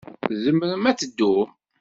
Tzemrem ad teddum.